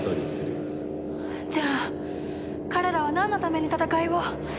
じゃあ彼らはなんのために戦いを！？